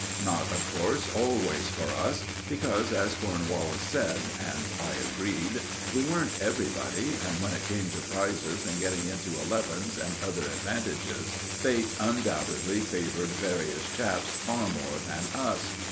Not, of course, always for us, because, as Cornwallis said, and I agreed, we weren't everybody, and when it came to prizes and getting into "elevens," and other advantages, Fate undoubtedly favoured various chaps far more than us.